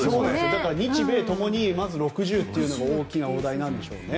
だから日米ともに６０というのが大きな大台なんでしょうね。